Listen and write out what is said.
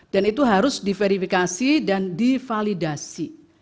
itu harus diverifikasi dan divalidasi